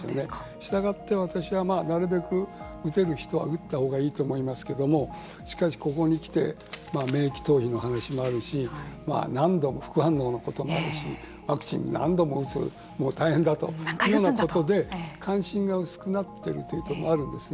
したがって、私は、なるべく打てる人は打ったほうがいいと思いますけれどもしかし、ここに来て免疫逃避の話もあるし何度も副反応のこともあるしワクチンを何度も打つ大変だというふうなことで関心が薄くなっているというところもあるんですね。